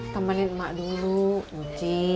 temenin mak dulu muji